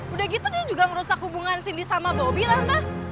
udah gitu dia juga ngerusak hubungan sindi sama bobby tante